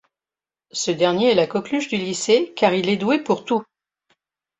Ce dernier est la coqueluche du lycée car il est doué pour tout.